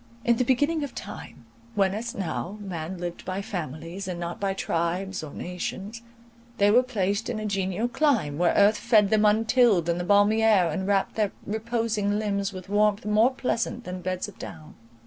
In the beginning of time, when, as now, man lived by families, and not by tribes or nations, they were placed in a genial clime, where earth fed them untilled, and the balmy air enwrapt their reposing limbs with warmth more pleasant than beds of down.